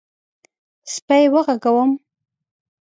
_سپی وغږوم؟